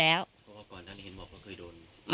ตอนนั้นเห็นบอกว่าเคยโดน